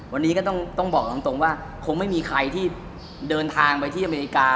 วันนี้ก็ต้องบอกตรงว่าคงไม่มีใครที่เดินทางไปที่อเมริกา